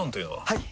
はい！